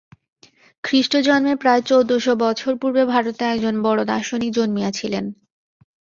খ্রীষ্টজন্মের প্রায় চৌদ্দ-শ বছর পূর্বে ভারতে একজন বড় দার্শনিক জন্মিয়াছিলেন।